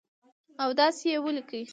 او داسي یې ولیکئ